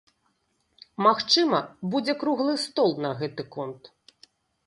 Магчыма, будзе круглы стол на гэты конт.